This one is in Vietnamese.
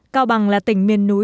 cao bằng là tỉnh miền núi